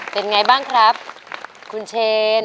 เป็นไงบ้างครับคุณเชน